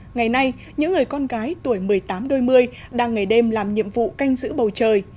ngày nay những người con gái tuổi một mươi tám đôi mươi đang ngày đêm làm nhiệm vụ canh giữ bầu trời